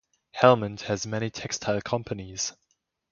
Helmond has many textile companies.